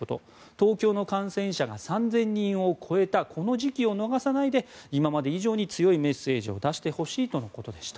東京の感染者が３０００人を超えたこの時期を逃さないで今まで以上に強いメッセージを出してほしいとのことでした。